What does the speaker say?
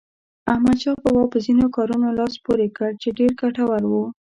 احمدشاه بابا په ځینو کارونو لاس پورې کړ چې ډېر ګټور وو.